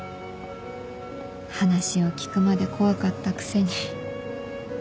話を聞くまで怖かったくせに